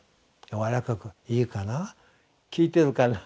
やわらかく「いいかな？聞いているかな？